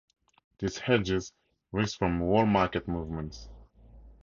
This hedges risk from whole-market movements.